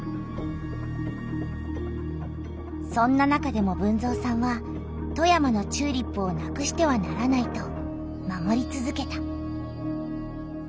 そんな中でも豊造さんは富山のチューリップをなくしてはならないと守りつづけた。